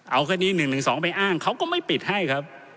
เอาคดี๑๑๒ไปอ้างเขาก็ไม่ปิดให้ครับ